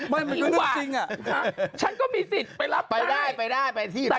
มันคือเรื่องจริงอ่ะฉันก็มีสิทธิ์ไปรับได้ไปได้ไปได้ไปที่ได้